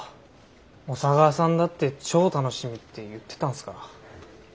小佐川さんだって超楽しみって言ってたんすから。